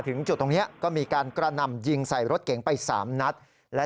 ถึงจุดตรงนี้ก็มีการกระหน่ำยิงใส่รถเก๋งไป๓นัดและ